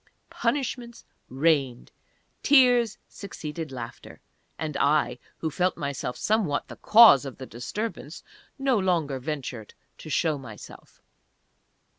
Punishments rained! Tears succeeded laughter! And I, who felt myself somewhat the cause of the disturbance, no longer ventured to show myself.